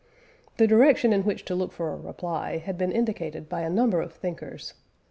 The direction in which to look for a reply had been indicated by a number of thinkers.